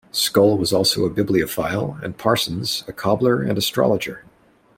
Scull was also a bibliophile and Parsons a cobbler and astrologer.